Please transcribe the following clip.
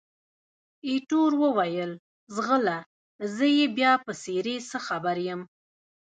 ایټور وویل، ځغله! زه یې بیا په څېرې څه خبر یم؟